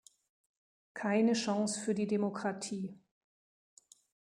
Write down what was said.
Keine Chance für die Demokratie.